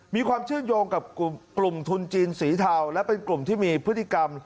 มีความเชื่อมโยงกับกลุ่มทุนจีนสีเทาและเป็นกลุ่มที่มีพฤติกรรม